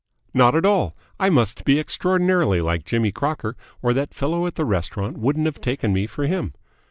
"Not at all. I must be extraordinarily like Jimmy Crocker, or that fellow at the restaurant wouldn't have taken me for him.